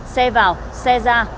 xe vào xe ra